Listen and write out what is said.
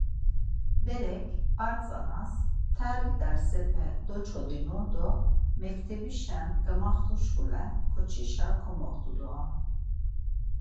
Berek ar tzanas mteli dersepe doçodinu do mektebişen gamaxtuşkule ǩoçişa komoxtu doren.